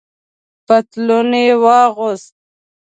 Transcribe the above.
پتلون یې واغوست.